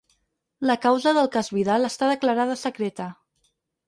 La causa del ‘cas Vidal’ està declarada secreta.